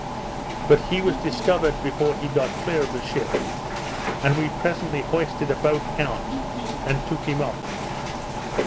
But he was discovered before he got clear of the ship; and we presently hoisted a boat out, and took him up.